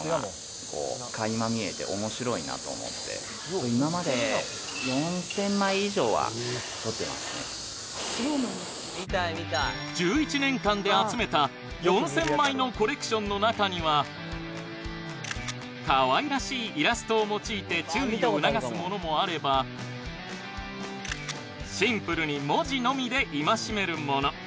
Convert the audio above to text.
ごめんね続いてこちらの男性はい１１年間で集めた４０００枚のコレクションの中にはかわいらしいイラストを用いて注意を促すものもあればシンプルに文字のみで戒めるもの